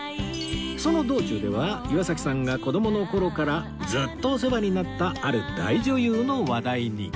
その道中では岩崎さんが子供の頃からずっとお世話になったある大女優の話題に